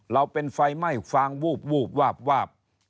เราเป็นไฟไหม้ฟางวูบวาบวาบ